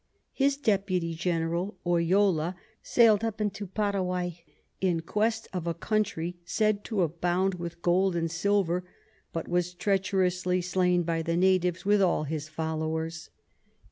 His Deputy Governour Oyola sail'd up into Paraguay, in quest of a Country said to abound with Gold and Silver; but was treacherously slain by the Natives, with all his Followers.